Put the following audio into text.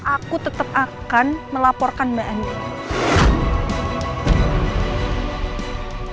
aku tetep akan melaporkan sama andin